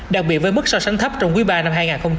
đặc biệt với mức so sánh thấp trong quý ba năm hai nghìn hai mươi